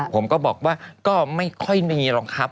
ผมก็บอกว่าก็ไม่ค่อยมีหรอกครับ